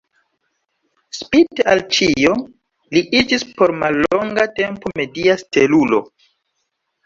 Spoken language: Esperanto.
Spite al ĉio, li iĝis por mallonga tempo media stelulo.